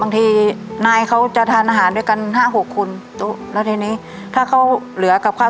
บางทีนายเขาจะทานอาหารด้วยกันห้าหกคนแล้วทีนี้ถ้าเขาเหลือกับข้าว